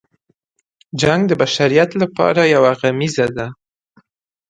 جنګ د بشریت لپاره یو غمیزه ده.